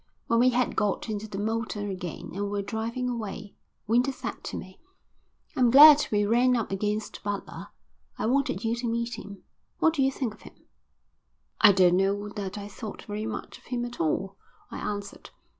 When we had got into the motor again and were driving away, Winter said to me: "I'm glad we ran up against Butler. I wanted you to meet him. What did you think of him?" "I don't know that I thought very much of him at all," I answered.